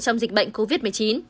trong dịch bệnh covid một mươi chín